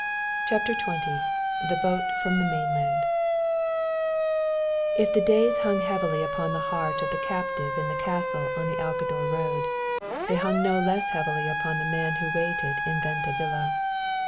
CHAPTER XX THE BOAT FROM THE MAINLAND If the days hung heavily upon the heart of the captive in the castle on the Alcador road, they hung no less heavily upon the man who waited in Venta Villa.